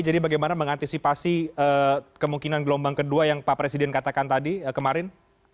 jadi bagaimana mengantisipasi kemungkinan gelombang kedua yang pak presiden katakan tadi kemarin